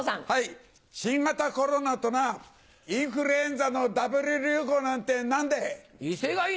新型コロナとなインフルエンザのダブル流行なんて何でい！